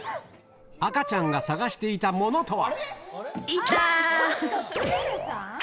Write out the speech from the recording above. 赤ちゃんが探していたものとは？